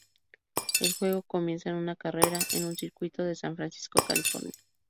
El juego comienza en una carrera en un circuito de San Francisco, California.